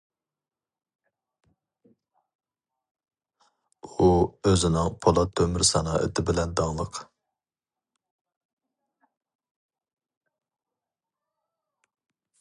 ئۇ ئۆزىنىڭ پولات-تۆمۈر سانائىتى بىلەن داڭلىق.